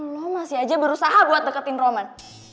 no masih aja berusaha buat deketin roman